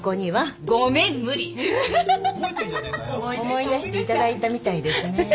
思い出していただいたみたいですね。